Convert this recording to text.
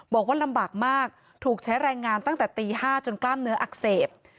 บอกว่าลำบากมากถูกใช้แรงงานตั้งแต่ตี๕จนกล้ามเนื้ออักเสบ